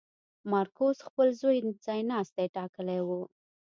مارکوس خپل زوی ځایناستی ټاکلی و.